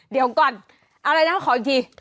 เดี๋ยวก่อนอะไรนะขออีกที